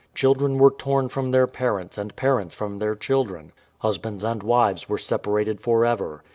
Children were torn from their parents and parents from their children. Husbands and wives were separated for ever.